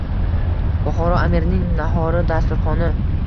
Buxoro amirining nahori dasturxoni